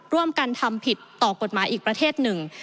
ร่วมกันทำผิดต่อกฎหมายอีกประเทศหนึ่ง